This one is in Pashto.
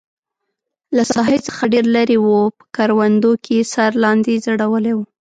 له ساحې څخه ډېر لرې و، په کروندو کې یې سر لاندې ځړولی و.